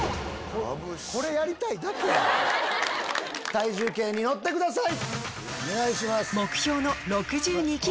体重計に乗ってください。